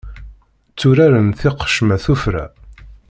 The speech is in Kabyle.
Tturaren tiqemca tufra.